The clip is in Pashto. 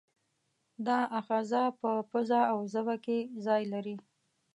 دا آخذه په پزه او ژبه کې ځای لري.